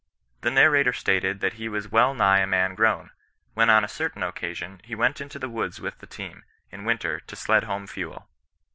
The narrator stated that he was well nigh a man grown, when on a certain occasion he went into the woods with the team, in winter, to sled home fuel.